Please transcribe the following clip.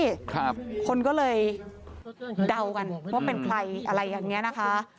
ครับคนก็เลยเดากันว่าเป็นใครอะไรอย่างเงี้ยนะคะ